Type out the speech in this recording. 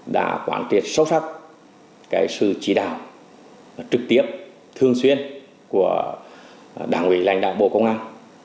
đã quán triệt sâu sắc sự chỉ đạo trực tiếp thường xuyên của đảng ủy lãnh đạo bộ công an